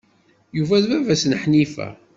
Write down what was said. Yuba d baba-s n Ḥnifa.